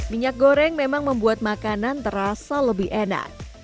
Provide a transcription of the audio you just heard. minyak goreng memang membuat makanan terasa lebih enak